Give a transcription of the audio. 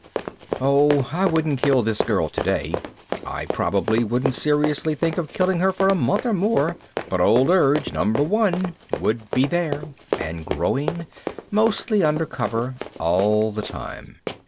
Oh, I wouldn't kill this girl today, I probably wouldn't seriously think of killing her for a month or more, but Old Urge Number One would be there and growing, mostly under cover, all the time.